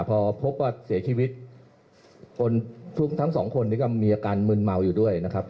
พอพบว่าเสียชีวิตคนทั้งสองคนนี้ก็มีอาการมืนเมาอยู่ด้วยนะครับ